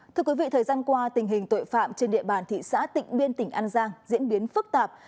thưa quý vị thời gian qua tình hình tội phạm trên địa bàn thị xã tịnh biên tỉnh an giang diễn biến phức tạp